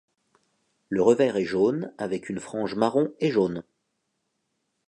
Le revers est jaune, avec une frange marron et jaune.